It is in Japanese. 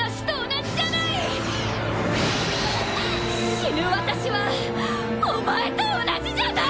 死ぬ私はお前と同じじゃない！